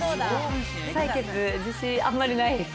採血自信、あんまりないです。